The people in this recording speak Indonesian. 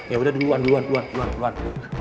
ya udah duluan duluan